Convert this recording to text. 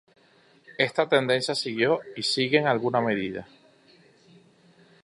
Esta tendencia siguió, y sigue en alguna medida.